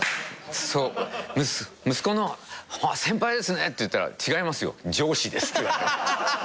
息子の先輩ですねって言ったら違いますよ上司ですって。